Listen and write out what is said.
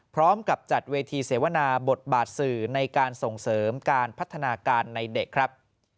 พร้อมกับจัดเวทีเสวนาบทบาทสื่อในการส่งเสริมการพัฒนาการในเด็กครับ